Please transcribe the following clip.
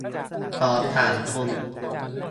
ขอถามคุณ